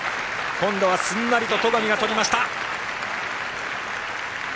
今度は、すんなりと戸上が取りました！